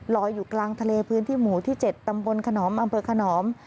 ลอยอยู่กลางทะเลพื้นที่หมู่ที่๗ตำบลขนอมอำเภอขนอม